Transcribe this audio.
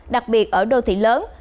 đặc biệt ở đô thị lớn